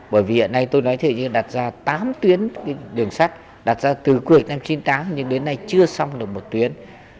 bởi vì hiện nay tôi nói thể như đặt ra tám tuyến đường sắt đặt ra từ cuối năm một nghìn chín trăm chín mươi tám nhưng đến nay chưa xong được một tuyến